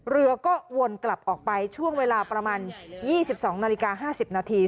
เรือก็วนกลับออกไปช่วงเวลาประมาณ๒๒นาฬิกา๕๐นาที